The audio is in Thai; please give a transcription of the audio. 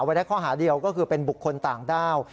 ไว้ได้ข้อหาเดียวก็คือเป็นบุคคลต่างด้าว